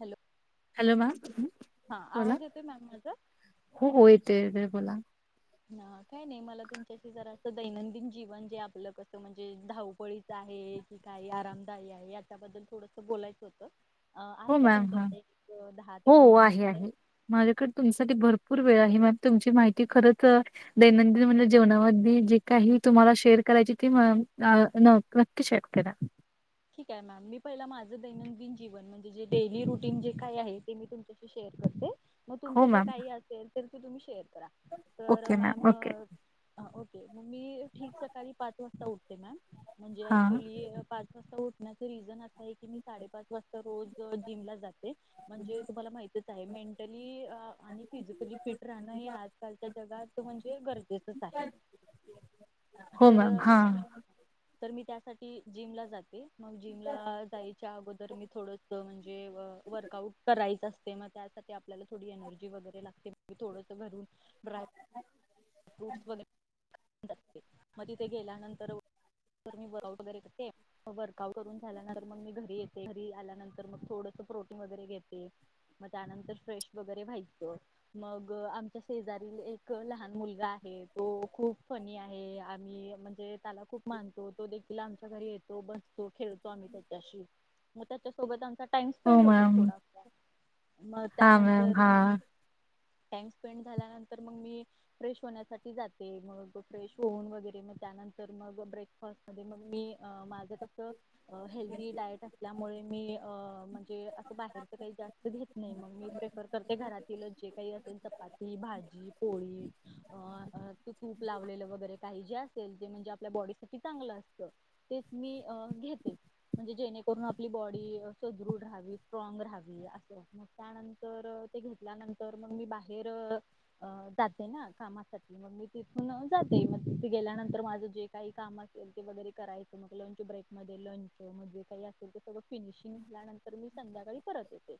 Hello. Hello ma'am. हा बोला, आवाज येतोय मॅम माझा हो हो येतय बोला. ना काय नाही, मला तुमच्याशी जरा तं दैनंदिन जीवन जे आपल कस म्हणजे, धावपळीत आहे, कीं काय, आरामदायी आहे. याच्याबद्दल थोडस बोलायचं होत. हो मॅम. हा, हो हो. पंधरा आहे. मिनिट आहे. माझ्याकडे तुमच्यासाठी भर भरपूर वेळ आहे मॅम. तुमची माहिती खरतर दैनंदिन म्हनजे जीवनामध्ये जे काही तुम्हाला शेअर करायची ती मं, अं, न. नक्की शेअर करा. ठीक आहे मॅम. मी पहिला माझं दैनंदिन जीवन, म्हणजे जे डेली रुटीन जे काय आहे? ते मी तुमच्याशी शेअर करते. मग तुमचं हो जे मॅम काही असेल.. तर. ते तुम्ही शेअर तर ओके मॅम... ओके मं, मी, ठीक सकाळी पाच वा उठते मॅम. म्हणजे हां ऍक्च्युली पाच तसं उठण्याचं रिझन आहे. हे आहे कीं, मी साडे पाच वाजता रोज जिमला जाते. म्हणजे तुम्हाला माहीतच आहे, मेंटली.. आनी फिजिकली फिट राहणं हे आजकालच्या जगात म्हणजे गरजेचंच आहे. हो तर.. मॅम हां तर मी त्यात कधी जिमला जात के... मग जिमला जायच्या अगोदर मी थोडस म्हणजे, व.. वर्क आउट करायच असं ते मग त्यासाठी आपल्याला थोडी एनर्जी वगैरे लागते, मं थोडेसे घरून ब्राय फ्रूट्स वले. मग तिथे गेल्यानंतर मी वर्क आऊट वैगरे करते. वर्क आऊट करून झाल्यानंतर मी घरी येते. घर आल्यानंतर मग थोडेसे प्रोटीन वैगरे घेते. मं त्यांनतर फ्रेश वैगरे व्हायचं. मग आमच्या शेजारील एक लहान लगा आहे. तो खूप फनी आहे. आम्ही.. म्हणजे.. त्याला खूप मानतो तो. दे तिला आमच्या घरी येतो, बसतो, खेळतो आम्ही त्याच्याशी. मं त्याच्यासोबत आमचा.... टाइम स्पेंड होतो थोडासा. मग हा मॅडम हा त्यानंतर टाइम स्पेंड झाल्यानंतर मग मी फ्रेश होण्यासाठी जाते, मग फ्रेश होऊन वगैरे, मग त्यानंतर मग ब्रेकफास्ट मग मी माझं कस अ हेल्दी डायट असल्यामुळे मी अ म्हणजे असं बाहेरच काही जास्त घेत नाही. मग मी प्रेफर करते, घरातील जे काही असेल, चपाती भाजी पोळी. अ तू तूप लावलेलं वगैरे काही जे असेल ते म्हणजे आपल्या बॉडीसाठी चांगलं असतं तेच मी घेते, म्हणजे जेणेकरून आपली बॉडी सुदृढ राहावी, स्ट्रॉग राहावी, असं मग त्यानंतर ते घेतल्यानंतर मग मी बाहेर जाते. कामासाठी मग मी तिथून जाते मग तिथे गेल्यानंतर माझं जे काही काम असेल ते वगैरे करायचं मग लंच ब्रेक मध्ये लंच मग जे काही असेल ते सगळं फिनिशिंग झाल्यानंतर मी संध्याकाळी परत येते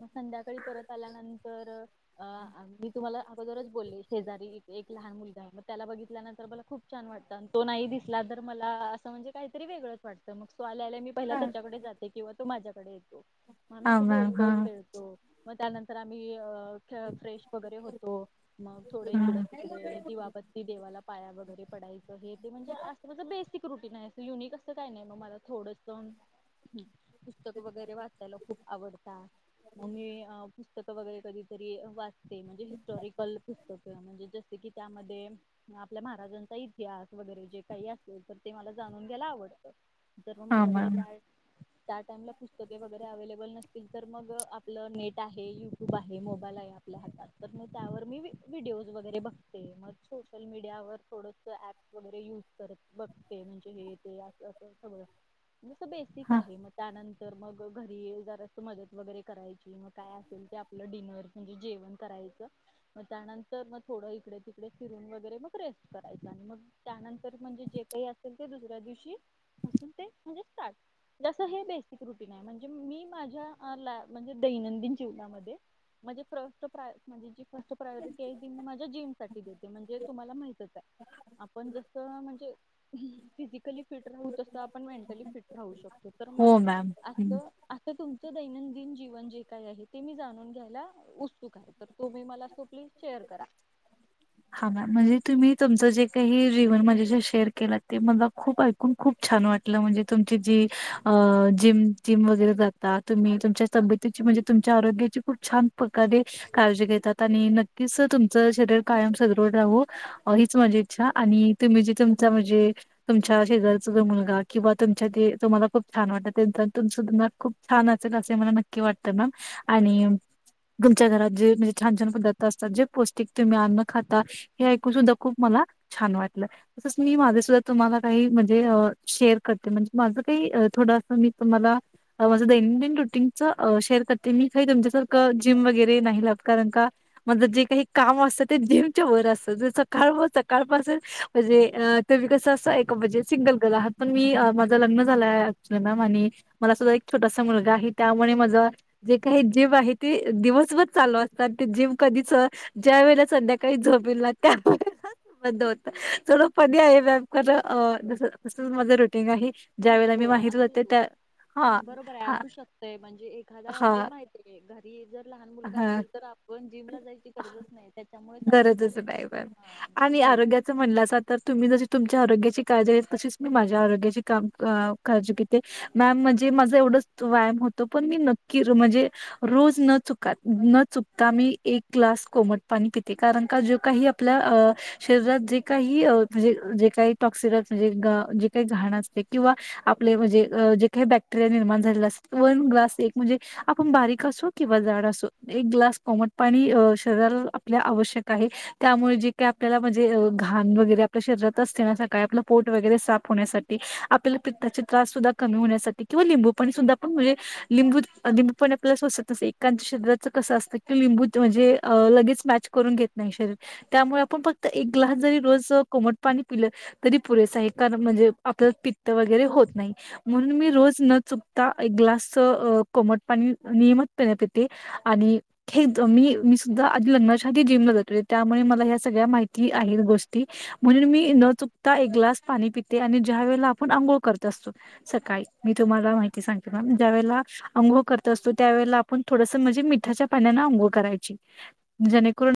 मग संध्याकाळी परत आल्यानंतर अ मी तुम्हाला अगोदरच बोलले शेजारी तर मला खूप छान वाटत. आणि तो नाही दिसला तर मला असं, म्हणजे काहीतरी वेगळंच वाटतं मग. तो आल्याला मी पहिला त्याच्याकडे जाते किंवा तो माझ्याकडे येतो म मी हां असं मॅम बोलतोच हां खेळतो मग त्यानंतर आम्ही फ्रेश वगैरे होतो. मग थोडं इकड- हां तिकडे दिवाबत्ती, देवाला पाया वगैरे, पडाचं हे ते म्हणजे अस बे रुटीन युनिक असं काही नाही मला. थोडस पुस्तक वगैरे वाचायला खूप आवडत. मग मी पुस्तक वगैरे कधीतरी ते म्हणज हस्टॉरिक [unintelligible] पुस्तक म्हणजे जस की त्यामध्ये आपल्या महाराजांचा इतिहास वगैरे जे काही असल तर ते मला जाणून घ्यायला आवडत. तर मग माझ्याकडे मॅम काय? त्या टाइमला पुस्तके वगैरे अव्लेबल त्या त्या टाइम ला पुस्तके, वैगैरे अवलेबल नसतील, तर मग आपलं नेट आहे, युट्यूब आहे, मोबाईल आहे, आपल्या हातात तर मग त्यावर मी व्हिडिओज, वगैरे बघते मग सोशल मीडिया वर थोडस ऍप, वगैरे युज करते, बघते म्हणजे हे ते अस सगळं मस बेसिक हां आहे मग त्या नंतर तर मग, घरी जर असं मदत वगैरे करायची मग काय असेल ते आपलं डिनर म्हणजे जेवण करायचं. ग त्यानंतर मग थोड इकडे तिकडे फिरून वगैरे मग रेस्ट करायचा आणि मग त्यानंतर म्हणजे जे काही असेल ते दुसऱ्या दिवशी त्या नंतर मग थोडे इकडे- तिकडे फिरून वैगेरे, ते म्हणजे स्टार्ट जस हे बेसिक रुटीन आहे, म्हणजे मी माझ्या म्हणजे दैनंदिन जीवनामध्ये म्हणजे फट म्हणजे प्रायरिटी त माझ्या जिम साठी देते म्हणजे प्रायोरिटी आधी मी माझ्या जिम साठी देते. म्हणजे तुम्हाला माहीत आहे, आपण जस म्हणजे फिजिकली फिट राहू तस आपण मेंटली फिट राहू शकतो. हो मॅम ते दैनंदिन जीवन जे काय आहे ते मी जाणून घ्यायला उत्सुक आहे. तर तुम्ही मला खुप हा मॅडॅम म्हणजे तुम्ही तुमचं जे काही जीवन माझ्या शेअर केलं ते मला खूप ऐकून खूप छान वाटलं म्हणजे तुमची जी अ जिम जिम वगैरे जाता तुम्ही तुम्ही तुमचे जीवन जे माझ्या शी शेअर केलं, तुमच्या तब्यतीची म्हणजे तुमच्या आरोग्याची खूप छान प्रकारे काळजी घेता आणि नक्कीच तुमचं शरीर कायम सदृढ राहू हीच माझी इच्छा आणि तुम्ही जे तुमचा म्हणजे तुमच्या शेजारचा जो मुलगा नक्की तुमचे शिरीर कायम सुद्धरुड रहो, हीच माझी इच्छा किंवा तुमच्या ते तुम्हाला खूप छान वाटत तु खूप छान असल असे मला नक्की वाटत मॅम आणि तुमच्या घरात जे म्हणजे छान छान पदार्थ असतात जे पौष्टिक तुम्ही अन्न खाता हे ऐकून सुद्धा खूप मला छान वाटलं तसंच मी माझे सुद्धा तुम्हाला काही म्हणजे शेअर करते म्हणजे माझं काही छान- छान पदार्थ असतात जे पौष्टिक तुम्ही अन्न खाता हे ऐकून सुद्धा खुप मला छान वाटलं तसंच थोडंस मी तुम्हाला माझं दैनंदिन रुटीनच शेअर करते मी काही तुमच्यासारखं जिम वगैरे नाही लागत. कारण का माझं जे काही काम असत ते जिमच्या वर असतं. जे सकाळपसून म्हणजे तुम्ही कस सिंगल आहे. मी माझं लग्न कारण का माझे जे काही काम असत ते जिम च्या वर असत सकाळ पासून तुम्ही कस सिंगल आहे, माझे लग्न झाले आहे मला ऐक छोटासा मुलगा आहे. क् मॅम आणि मला सुद्धा एक छोटासा मुलगा आहे त्यामुळे माझ जे काही जीम आहे ते दिवसभर चालू अस. ते जिम कधीच ज्या वेळे संध्याकाळी झोप येईल ना त्या बंद होत चल पध आहे व्यायाम कर ज तस माझं रुटीन आहे. नाही ज्यावेेळेला मी होय माहित असे होते तू त्या हां, बरोबर आहे हां, असू शकतय म्हणजे एखादा मला हां, माहित आहे घरी जर लहान मुलगा असेल हां. तर पण जिमला जायची गरजच नाही त्याच्यामुळेच आपल्या पोर गरजच नाही मॅम. हा आणि जीम होऊ. आरोग्याचं म्हणलासा तर तुम्ही जशी तुमच्या आरोग्याची काळजी घेत तशीच मी माझ्या आरोग्याची काम काळजी घेते मॅम म्हणजे माझा एवढच व्यायाम होतो पण मी नक्की म्हणजे रोज न चु न चक मी एक ग्लास कोमट पाणी पिते कारण का जे काही आपल्या अ शरीरात जे काही म्हणजे जे काही टॉक्सिन्स म्हणजे जे काही घाण असते किंवा आपले म्हणजे जे काही बॅक्टेरिया निर्माण झालेला असते वन ग्लास एक म्हणजे आपण बारीक असो किंवा जाड असो एक ग्लास कोमट पाणी अ शरीराला आपल्या आवश्यक आहे त्यामुळे जे काय आपल्याला म्हणजे घाण वगैरे आपल्या शरीरातच असते ना सकाळी आपलं पोट वगैरे साफ होण्यासाठी आपल्याला पित्ताचे त्रास सुद्धा कमी होण्यासाठी किंवा लिंबू पाणी सुद्धा आपण म्हणजे लिंबू लिंबू पाणी सोसत असते एकेकांच शरीराचं कसं असतं. लिंबू म्हणजे लगेच मॅच करून घेत नाही शरीर त्यामुळे आपण फक्त एक ग्लास जरी रोज कोमट पाणी पिलं तरी पुरेच आहे कारण म्हणजे आपल्या पित्त वगैरे होत नाही म्हणून मी रोज न चुकता एक ग्लास कोमट पाणी नियमितपणे पिते आणि हे मी मी सुद्धा आधी लग्नाच्या आ जिमला जातो त्यामुळे मला ह्या सगळ्या माहिती आहेत गोष्टी म्हणजे मी न चुकता एक ग्लास पाणी पिते आणि ज्या वेळेला आपण अंघोळ करत असतो सकाळी मी तुम्हाला माहिती सांगते म ज्यावेळेला अंघोळ करत असतो त्यावेळे आपण थोडस म्हणजे मिठाच्या पपाण्यान अंघोळ करायची जेणेकरून